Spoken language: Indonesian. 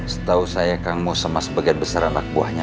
setahu saya kang mau sama sebagian besar anak buahnya